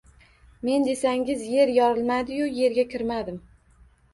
Men desangiz, yer yorilmadi-yu, yerga kirmadim…